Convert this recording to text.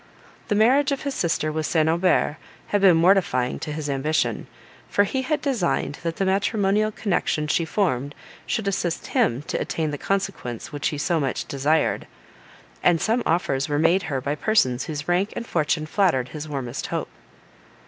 The marriage of his sister with St. Aubert had been mortifying to his ambition, for he had designed that the matrimonial connection she formed should assist him to attain the consequence which he so much desired; and some offers were made her by persons whose rank and fortune flattered his warmest hope.